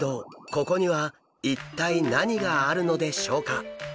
ここには一体何があるのでしょうか？